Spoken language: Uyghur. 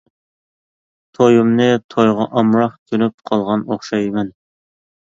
تويۇمنى، تويغا ئامراق كۆنۈپ قالغان ئوخشايمەن.